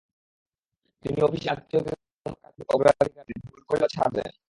তিনি অফিসে আত্মীয় কিংবা কাছের মানুষদের অগ্রাধিকার দেন, ভুল করলেও ছাড় দেন।